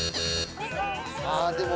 ああでも。